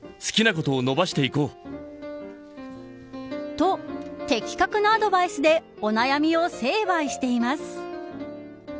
と、的確なアドバイスでお悩みを成敗しています。